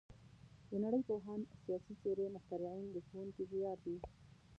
د نړۍ پوهان، سیاسي څېرې، مخترعین د ښوونکي زیار دی.